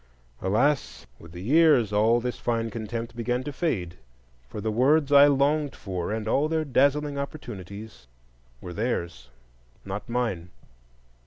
Alas, with the years all this fine contempt began to fade; for the words I longed for, and all their dazzling opportunities, were theirs, not mine.